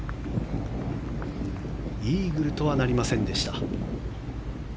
イーグルとはなりませんでした。